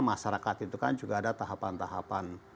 masyarakat itu kan juga ada tahapan tahapan